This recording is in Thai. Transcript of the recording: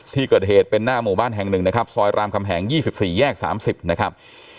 ที่เกิดเหตุเป็นหน้าหมู่บ้านแห่งหนึ่งนะครับซอยรามคำแหง๒๔แยก๓๐นะครับ